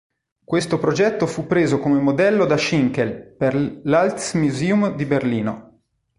Questo progetto fu preso come modello da Schinkel per l'Altes Museum di Berlino.